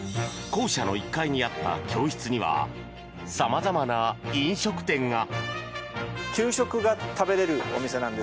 校舎の１階にあった教室にはさまざまな飲食店が。